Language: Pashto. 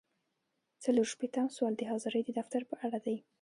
څلور شپیتم سوال د حاضرۍ د دفتر په اړه دی.